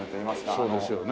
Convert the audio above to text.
そうですよね。